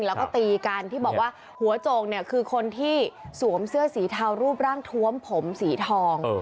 แล้วก็ตีกันที่บอกว่าหัวโจกเนี่ยคือคนที่สวมเสื้อสีเทารูปร่างทวมผมสีทอง